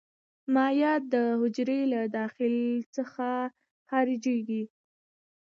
مایعات د حجرې له داخل څخه خارجيږي.